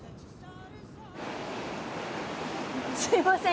すいません